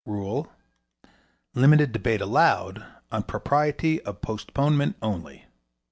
Rule C Limited debate allowed on propriety of postponement only.